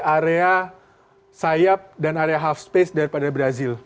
area sayap dan area half space daripada brazil